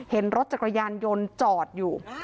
เห็นรถจักรยานยนต์จอดอยู่